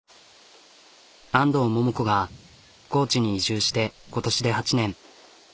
安藤桃子が高知に移住して今年で８年。